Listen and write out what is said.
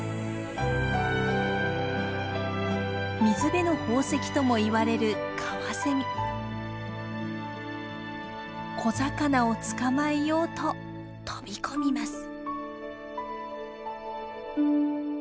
水辺の宝石ともいわれる小魚を捕まえようと飛び込みます。